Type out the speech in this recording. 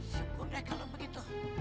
syukur deh kalau begitu